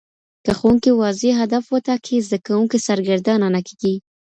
که ښوونکی واضح هدف وټاکي، زده کوونکي سرګردانه نه کېږي.